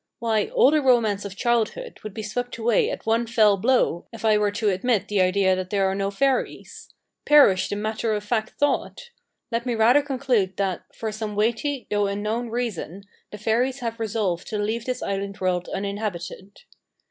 Why all the romance of childhood would be swept away at one fell blow if I were to admit the idea that there are no fairies. Perish the matter of fact thought! Let me rather conclude, that, for some weighty, though unknown, reason, the fairies have resolved to leave this island world uninhabited.